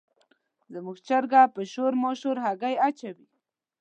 زموږ چرګه په شور ماشور هګۍ اچوي.